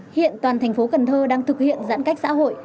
hiện toàn thành phố cần thơ đang thực hiện giãn cách xã hội